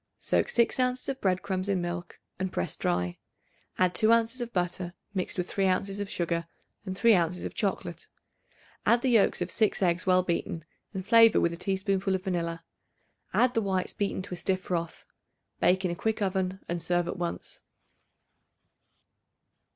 Soak 6 ounces of bread crumbs in milk and press dry; add 2 ounces of butter mixed with 3 ounces of sugar and 3 ounces of chocolate; add the yolks of 6 eggs well beaten, and flavor with a teaspoonful of vanilla; add the whites beaten to a stiff froth. Bake in a quick oven and serve at once.